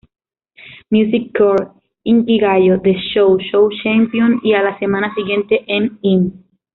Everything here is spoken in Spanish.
Music Core", "Inkigayo", "The Show", "Show Champion", y a la semana siguiente en "M!